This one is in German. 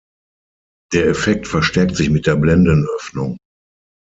Der Effekt verstärkt sich mit der Blendenöffnung.